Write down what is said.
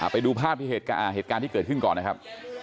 ไปดูภาพเหตุการณ์ที่เกิดขึ้นก่อนนะครับ